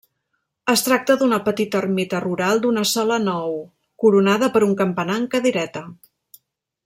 Es tracta d'una petita ermita rural d'una sola nou, coronada per un campanar en cadireta.